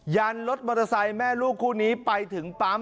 ันรถมอเตอร์ไซค์แม่ลูกคู่นี้ไปถึงปั๊ม